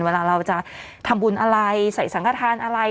เวลาเราจะทำบุญอะไรใส่สังขทานอะไร